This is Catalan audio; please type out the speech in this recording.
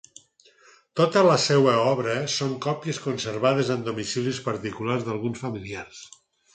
Tota la seua obra són còpies conservades en domicilis particulars d'alguns familiars.